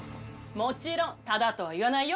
もちろんタダとは言わないよ。